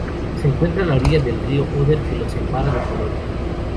Se encuentra a la orilla del río Oder que lo separa de Polonia.